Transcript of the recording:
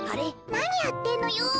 なにやってんのよ。